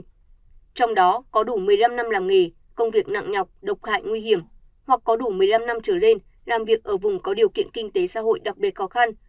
trong đó có đủ một mươi năm năm làm nghề công việc nặng nhọc độc hại nguy hiểm hoặc có đủ một mươi năm năm trở lên làm việc ở vùng có điều kiện kinh tế xã hội đặc biệt khó khăn